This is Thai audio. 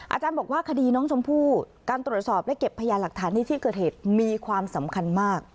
อาจารย์บอกว่าคดีน้องชมพู่การตรวจสอบและเก็บพยานหลักฐานในที่เกิดเหตุมีความสำคัญมาก